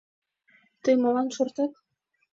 Тый молан шортат?